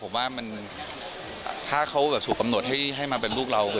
ผมว่ามันถ้าเขาถูกกำหนดให้มาเป็นลูกเรา